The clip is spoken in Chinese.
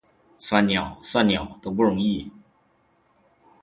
算鸟，算鸟，都不容易！